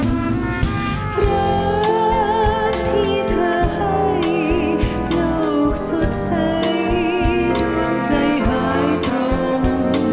รักที่เธอให้โลกสดใสใจหายตรง